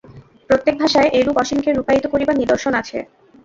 প্রত্যেক ভাষায় এইরূপ অসীমকে রূপায়িত করিবার নিদর্শন আছে।